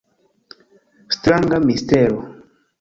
Stranga mistero!